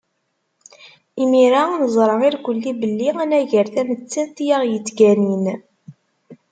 Imir-a, neẓra irkelli belli anagar tamettant i aɣ-yettganin.